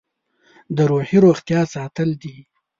د روحي روغتیا ساتل دي.